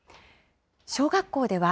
小学校では。